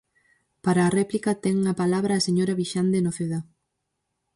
Para a réplica, ten a palabra a señora Vixande Noceda.